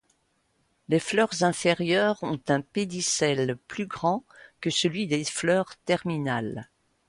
Les fleurs inférieures ont un pédicelle plus grand que celui des fleurs terminales.